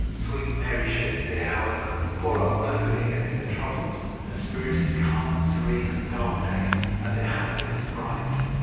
Sweet Mary Shakespeare, however, bore up nobly against their troubles, her spirit as calm and serene in the dark days as it had been in the bright.